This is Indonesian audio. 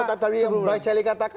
tadi yang bang celi katakan